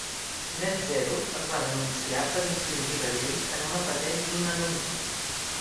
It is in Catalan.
NetZero els va denunciar per infringir la llei en una patent d'un anunci.